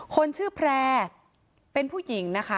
คนชื่อแพร่เป็นผู้หญิงนะคะ